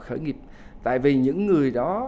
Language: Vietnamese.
khởi nghiệp tại vì những người đó